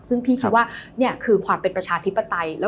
ซึ่งพี่คิดว่านี่คือความเป็นประชาธิปไตย